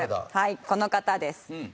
この方です。